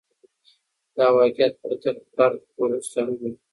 دا واقعیت به تر فرد وروسته هم وي.